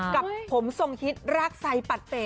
กับผมทรงฮิตรากไซปัดเป๋